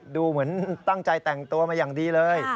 ดูเหมือนตั้งใจแต่งตัวมาอย่างดีเลย